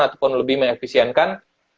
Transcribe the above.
ataupun lebih mengefisienkan